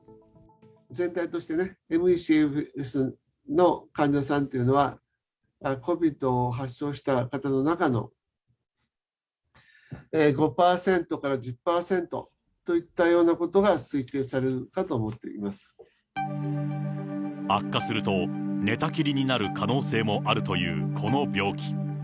全体としてね、ＭＥ／ＣＦＳの患者さんというのは、ＣＯＶＩＤを発症した方の中の５％から１０％といったようなこと悪化すると寝たきりになる可能性もあるというこの病気。